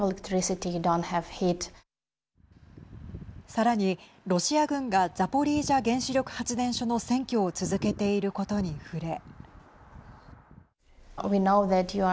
さらにロシア軍がザポリージャ原子力発電所の占拠を続けていることに触れ。